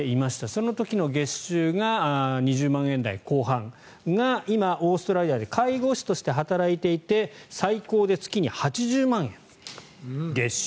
その時の月収が２０万円台後半が今、オーストラリアで介護士として働いていて最高で月に８０万円、月収。